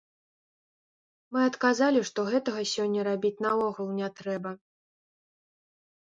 Мы адказалі, што гэтага сёння рабіць наогул не трэба.